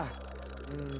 うん。